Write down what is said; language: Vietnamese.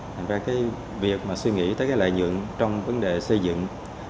thành ra cái việc mà suy nghĩ tới cái lợi nhuận trong vấn đề xây dựng